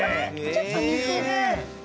ちょっとにてる。